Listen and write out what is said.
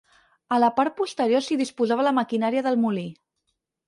A la part posterior s'hi disposava la maquinària del molí.